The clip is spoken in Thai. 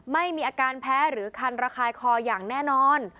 ไม่มีอาการแพ้หรือคันระคายคออย่างแน่นอน